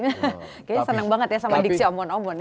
kayaknya senang banget ya sama diksy omon omon ya